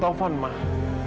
taufan yang salah ma